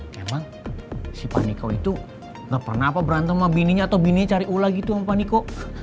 eh emang si pak niko itu nggak pernah apa berantem sama bininya atau bininya cari ulah gitu sama pak niko